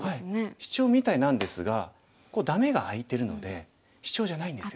シチョウみたいなんですがダメが空いてるのでシチョウじゃないんですよ。